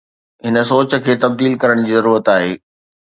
هن سوچ کي تبديل ڪرڻ جي ضرورت آهي.